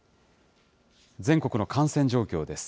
全国の感染状況です。